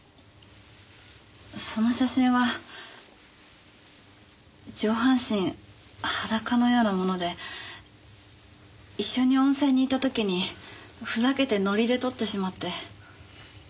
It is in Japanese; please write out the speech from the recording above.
その写真は上半身裸のようなもので一緒に温泉に行った時にふざけてノリで撮ってしまって。